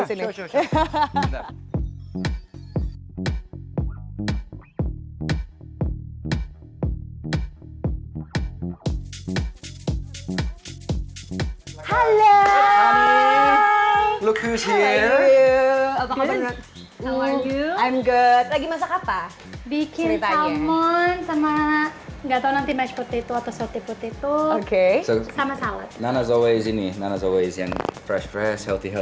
lagi masak apa bikin salmon sama enggak tahu nanti masjid itu atau seperti putih